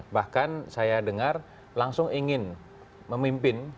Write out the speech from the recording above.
bahkan saya dengar langsung ingin memimpin